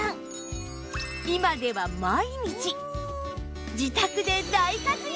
今では毎日自宅で大活躍！